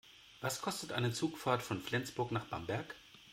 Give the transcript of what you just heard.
Was kostet eine Zugfahrt von Flensburg nach Bamberg?